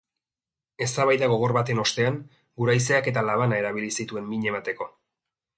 Eztabaida gogor baten ostean, guraizeak eta labana erabili zituen min emateko.